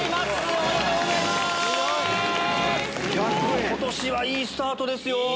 すごい！今年はいいスタートですよ。